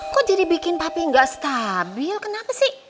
kok jadi bikin papi ga stabil kenapa sih